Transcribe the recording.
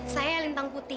saya lintang putih